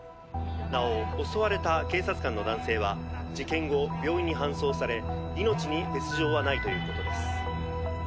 なお襲われた警察官の男性は事件後病院に搬送され命に別条はないということです。